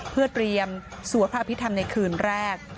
เพื่อเตรียมสวดพระอภิษฐรรมในคืนแรก